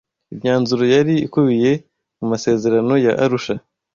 imyanzuro yari ikubiye mu masezerano ya Arusha